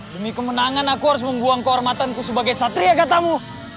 demi kemenangan aku harus membuang kehormatanku sebagai satria katamu